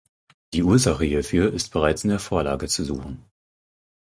Die Ursache hierfür ist bereits in der Vorlage zu suchen.